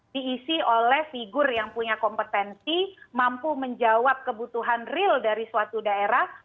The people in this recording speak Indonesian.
diisi oleh figur yang punya kompetensi mampu menjawab kebutuhan real dari suatu daerah